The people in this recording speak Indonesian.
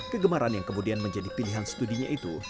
kegemaran yang kemudian menjadi pilihan studinya itu